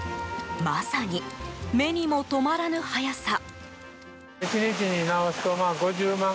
まさに目にも止まらぬ速さ。